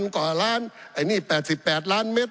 กว่าล้านไอ้นี่๘๘ล้านเมตร